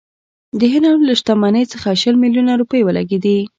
د هند له شتمنۍ څخه شل میلیونه روپۍ ولګېدې.